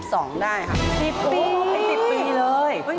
๑๐ปีเลย